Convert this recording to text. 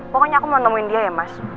pokoknya aku mau nemuin dia ya mas